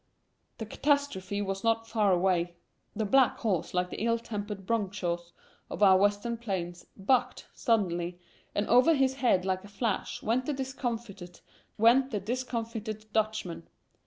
The catastrophe was not far away. The black horse, like the ill tempered "bronchos" of our western plains, "bucked" suddenly, and over his head like a flash went the discomfited Dutchman.